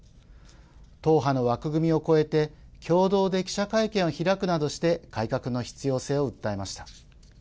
党派の枠組みを越えて共同で記者会見を開くなどして改革の必要性を訴えました。